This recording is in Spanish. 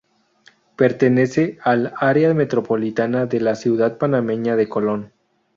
Pertenece al área metropolitana de la ciudad panameña de Colón.